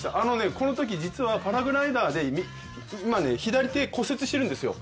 このとき実はパラグライダーで左手骨折してるんですよ。